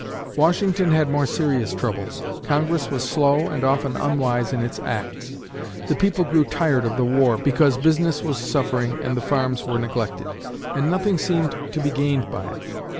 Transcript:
Washington had more serious troubles. Congress was slow and often unwise in its acts. The people grew tired of the war, because business was suffering and the farms were neglected, and nothing seemed to be gained by it.